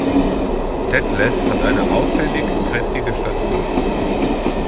Detlef hat eine auffällig kräftige Statur.